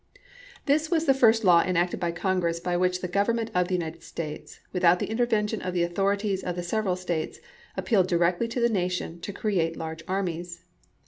This was the first law enacted by Congress by which the Government of the United States with out the intervention of the authorities of the sev eral States appealed directly to the nation to create large armies.